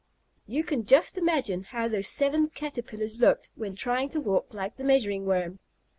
You can just imagine how those seven Caterpillars looked when trying to walk like the Measuring Worm.